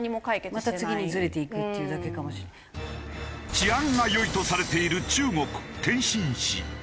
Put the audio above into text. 治安が良いとされている中国天津市。